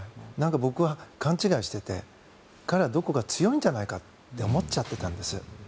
僕は勘違いしてて彼はどこか強いんじゃないかと思っちゃってたんです。